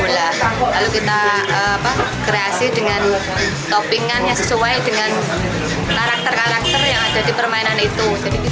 lalu kita kreasi dengan toppingan yang sesuai dengan karakter karakter yang ada di permainan itu